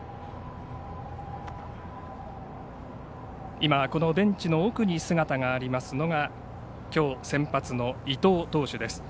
今このベンチの奥に姿がありますのがきょう先発の伊藤投手です。